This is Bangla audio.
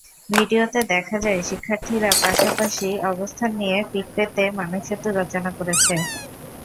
ভিডিওতে দেখা যায়, শিক্ষার্থীরা পাশাপাশি অবস্থান নিয়ে পিঠ পেতে মানবসেতু রচনা করেছে।